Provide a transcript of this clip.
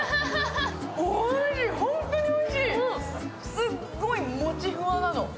すっごい、もちふわなの。